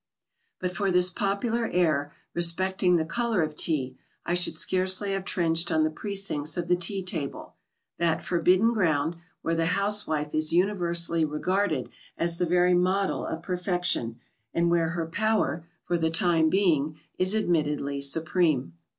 But for this popular error respecting the colour of Tea, I should scarcely have trenched on the precincts of the Tea table that forbidden ground, where the housewife is universally regarded as the very model of perfection, and where her power, for the time being, is admittedly supreme.